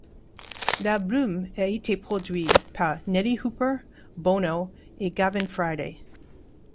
L'album a été produit par Nellee Hooper, Bono et Gavin Friday.